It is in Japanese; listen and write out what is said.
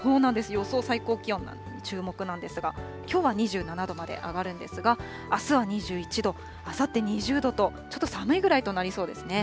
予想最高気温、注目なんですが、きょうは２７度まで上がるんですが、あすは２１度、あさって２０度と、ちょっと寒いぐらいとなりそうですね。